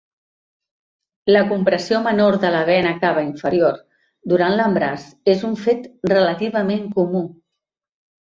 La compressió menor de la vena cava inferior durant l'embaràs és un fet relativament comú.